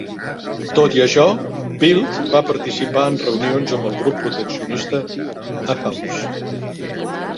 Tot i això, Bildt va participar en reunions amb el grup proteccionista a House.